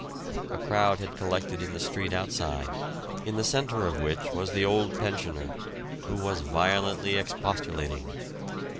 A crowd had collected in the street outside, in the centre of which was the old pensioner, who was violently expostulating.